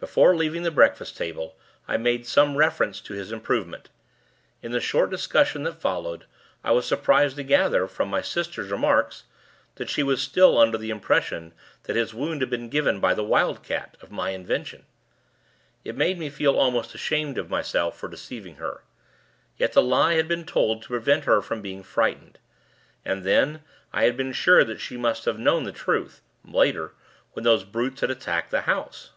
Before leaving the breakfast table, I made some reference to his improvement. In the short discussion that followed, I was surprised to gather, from my sister's remarks, that she was still under the impression that his wound had been given by the wildcat, of my invention. It made me feel almost ashamed of myself for deceiving her. Yet, the lie had been told to prevent her from being frightened. And then, I had been sure that she must have known the truth, later, when those brutes had attacked the house.